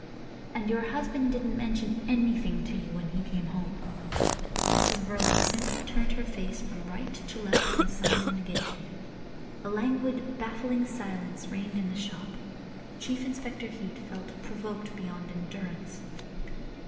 "And your husband didn't mention anything to you when he came home?" Mrs Verloc simply turned her face from right to left in sign of negation. A languid, baffling silence reigned in the shop. Chief Inspector Heat felt provoked beyond endurance.